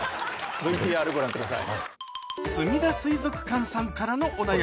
ＶＴＲご覧ください。